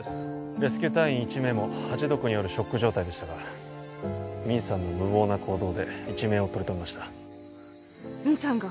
レスキュー隊員１名もハチ毒によるショック状態でしたがミンさんの無謀な行動で一命を取り留めましたミンさんが？